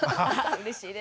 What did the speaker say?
うれしいです。